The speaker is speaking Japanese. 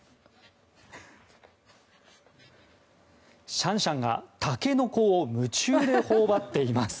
シャンシャンがタケノコを夢中でほおばっています。